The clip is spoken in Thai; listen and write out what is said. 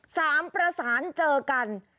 ประสานเจอกัน